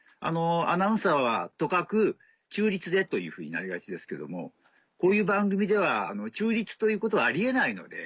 アナウンサーはとかく中立でというふうになりがちですけどこういう番組では中立ということはあり得ないので。